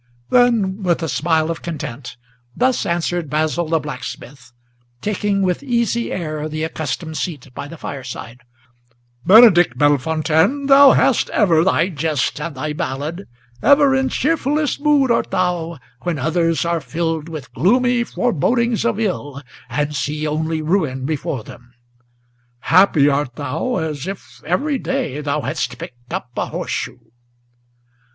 Then, with a smile of content, thus answered Basil the blacksmith, Taking with easy air the accustomed seat by the fireside: "Benedict Bellefontaine, thou hast ever thy jest and thy ballad! Ever in cheerfullest mood art thou, when others are filled with Gloomy forebodings of ill, and see only ruin before them. Happy art thou, as if every day thou hadst picked up a horseshoe."